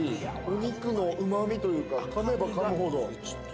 お肉のうま味というかかめばかむほど。